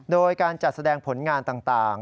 โดยการจัดแสดงผลงานต่าง